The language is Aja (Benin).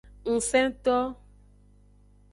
Ngsento.